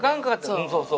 うんそうそう。